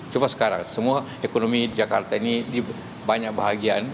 coba sekarang semua ekonomi jakarta ini banyak bahagian